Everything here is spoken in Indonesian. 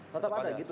tetap ada gitu ya